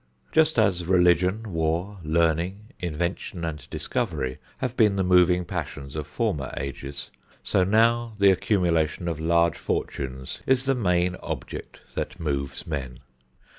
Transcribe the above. Just as religion, war, learning, invention and discovery have been the moving passions of former ages, so now the accumulation of large fortunes is the main object that moves man.